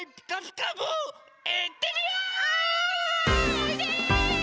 おいで！